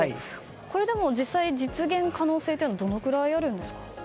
でも実際、実現の可能性はどのぐらいあるんですか？